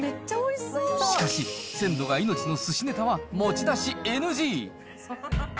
しかし、鮮度が命のすしねたは持ち出しＮＧ。